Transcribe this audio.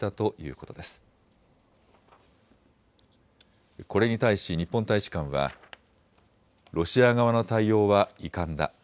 これに対し日本大使館はロシア側の対応は遺憾だ。